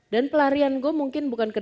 dan pelarian gue mungkin bukan ke